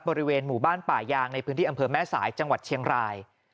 บริเวณหมู่บ้านป่ายางในพื้นที่อำเภอแม่สายจังหวัดเชียงราย